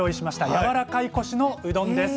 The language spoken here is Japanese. やわらかいコシのうどんです。